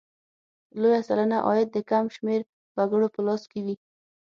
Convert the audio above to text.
لویه سلنه عاید د کم شمېر وګړو په لاس کې وي.